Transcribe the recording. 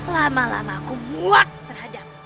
lama lama aku muak terhadap